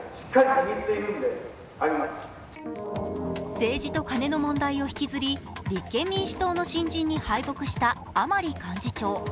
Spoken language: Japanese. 政治とカネの問題を引きずり立憲民主党の新人に敗北した甘利幹事長。